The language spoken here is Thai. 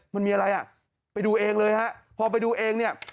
มันมีอะไรอ่ะไปดูเองเลยฮะพอไปดูเองเนี่ย